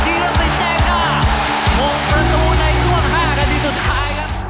จะเปิดอยู่เปิดได้แล้วก็เทียบ